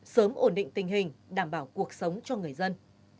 sớm ổn định tình hình đảm bảo cuộc sống cho người dân